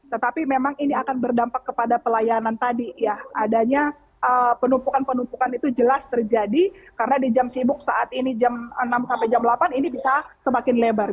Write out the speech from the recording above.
tetapi memang ini akan berdampak kepada pelayanan tadi ya adanya penumpukan penumpukan itu jelas terjadi karena di jam sibuk saat ini jam enam sampai jam delapan ini bisa semakin lebar